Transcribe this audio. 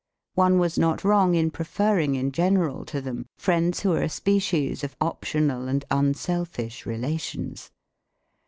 One was not wrong in preferring in general to them friends who are a species of optional and unselfish relations.